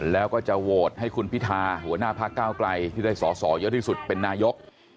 แล้วก็จะโหวตให้คุณพิธาหัวหน้าพักเก้าไกลที่ได้สอสอเยอะที่สุดเป็นนายก